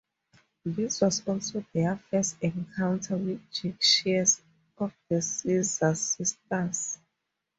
This was also their first encounter with Jake Shears of the Scissor Sisters.